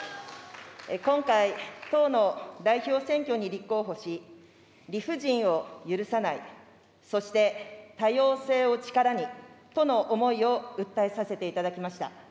今回、党の代表選挙に立候補し、理不尽を許さない、そして、多様性を力にとの思いを訴えさせていただきました。